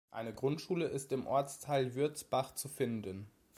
Eine Grundschule ist im Ortsteil Würzbach zu finden.